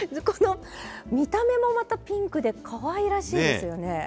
この見た目もまたピンクでかわいらしいですよね。